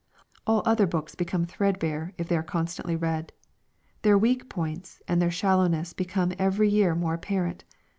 All other books become threadbare, if they are constantly read. Their weak points, and their shallowness become every year more apparent.